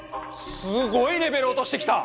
すごいレベル落としてきた！